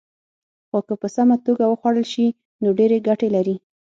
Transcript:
خو که په سمه توګه وخوړل شي، نو ډېرې ګټې لري.